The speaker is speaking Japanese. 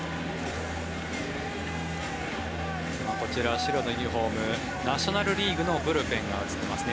こちらは白のユニホームナショナル・リーグのブルペンが映っていますね。